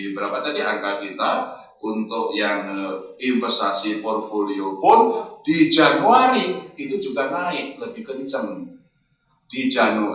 berapa tadi angka kita untuk yang investasi portfolio pun di januari itu juga naik lebih kenceng di januari